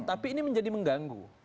tapi ini menjadi mengganggu